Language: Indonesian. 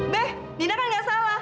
be dina kan gak salah